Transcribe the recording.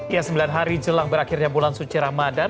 ya sembilan hari jelang berakhirnya bulan suci ramadan